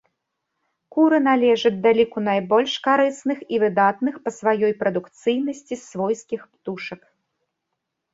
Куры належаць да ліку найбольш карысных і выдатных па сваёй прадукцыйнасці свойскіх птушак.